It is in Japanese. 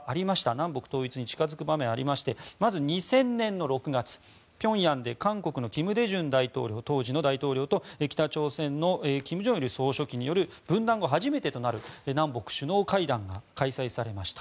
南北統一に近付く場面ありましてまず２０００年６月ピョンヤンで韓国の当時の金大中大統領と北朝鮮の金正日総書記による分断後初めてとなる南北首脳会談が開催されました。